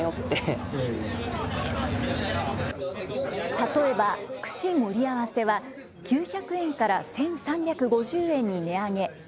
例えば、串盛り合わせは９００円から１３５０円に値上げ。